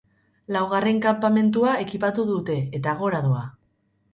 Laugarren kanpamentua ekipatu dute eta, gora doa!